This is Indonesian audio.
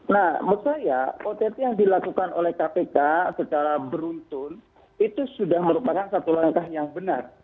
nah menurut saya ott yang dilakukan oleh kpk secara beruntun itu sudah merupakan satu langkah yang benar